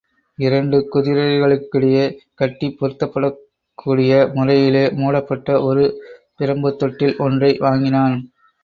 இரண்டு குதிரைகளுக்கிடையே கட்டிப் பொருத்தப்படக்கூடிய முறையிலே மூடப்பட்ட ஒரு பிரம்புத் தொட்டில் ஒன்றை வாங்கினான்.